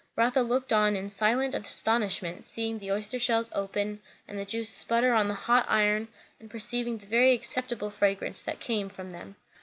Rotha looked on in silent astonishment, seeing the oyster shells open, and the juice sputter on the hot iron, and perceiving the very acceptable fragrance that came from them.